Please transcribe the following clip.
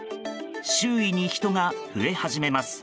周囲に人が増え始めます。